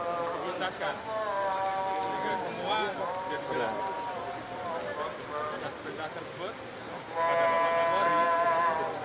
dari pencarian tersebut kita mendapatkan dua masalah yang bersyarat